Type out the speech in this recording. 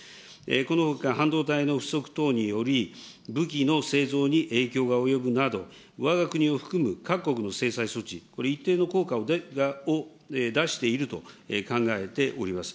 このほか半導体の不足等により、武器の製造に影響が及ぶなど、わが国を含む各国の制裁措置、これ、一定の効果を出していると考えております。